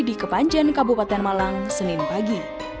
di kepanjen kabupaten malang senin pagi